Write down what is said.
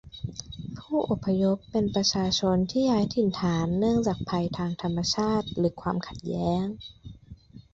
ผู้อพยพเป็นประชาชนที่ย้ายถิ่นฐานเนื่องจากภัยทางธรรมชาติหรือความขัดแย้ง